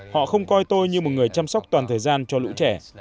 họ không coi tôi như một người chăm sóc toàn thời gian cho lũ trẻ